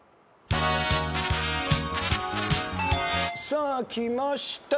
さあきました。